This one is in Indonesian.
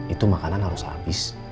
itu makanan harus habis